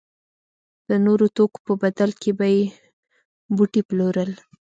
د نورو توکو په بدل کې به یې بوټي پلورل.